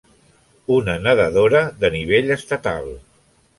Una nedadora de nivell estatal.